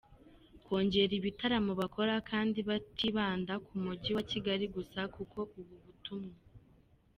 kongera ibitaramo bakora kandi batibanda ku mujyi wa Kigali gusa, kuko ubutumwa.